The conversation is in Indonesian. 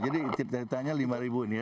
jadi ceritanya lima ini ya